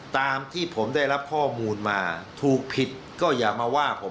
ตามที่ผมได้รับข้อมูลมาถูกผิดก็อย่ามาว่าผม